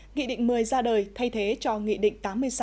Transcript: nghị định mới ra đời thay thế cho nghị định tám mươi sáu